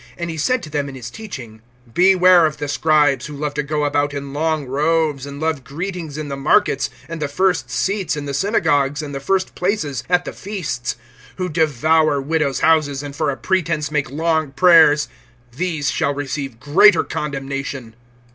(38)And he said to them in his teaching: Beware of the scribes, who love to go about in long robes, and love greetings in the markets, (39)and the first seats in the synagogues, and the first places at the feasts; (40)who devour widows' houses, and for a pretense make long prayers; these shall receive greater condemnation.